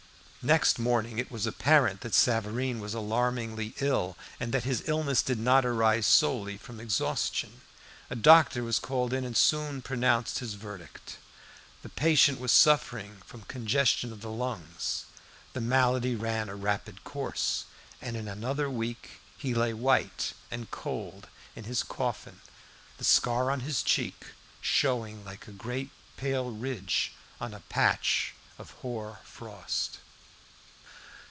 Next morning it was apparent that Savareen was alarmingly ill, and that his illness did not arise solely from exhaustion. A doctor was called in, and soon pronounced his verdict. The patient was suffering from congestion of the lungs. The malady ran a rapid course, and in another week he lay white and cold in his coffin, the scar on his cheek, showing like a great pale ridge on a patch of hoar frost.